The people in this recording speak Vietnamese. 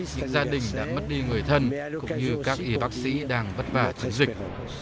những gia đình đã mất đi người thân cũng như các y bác sĩ đang vất vả chống dịch